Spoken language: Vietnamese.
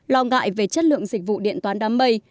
lo ngại về chất lượng dịch vụ điện toán đám mây